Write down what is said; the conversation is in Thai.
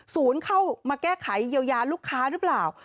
เข้ามาแก้ไขเยียวยาลูกค้าหรือเปล่า